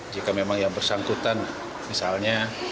jika memang yang bersangkutan misalnya